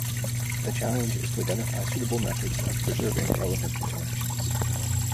The challenge is to identify suitable methods of preserving relevant interactions.